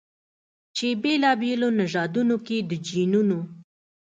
چې بېلابېلو نژادونو کې د جینونو